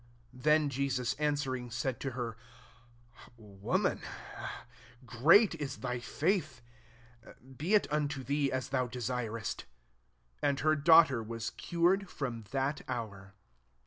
28 Then Jesus answer ing said to her, " Woman ! great is thy faith : be it unto thee as thou desirest.'* And her daughter was cured from that hour.